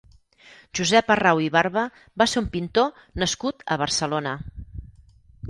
Josep Arrau i Barba va ser un pintor nascut a Barcelona.